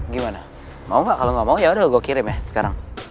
gimana mau nggak kalau nggak mau yaudah gue kirim ya sekarang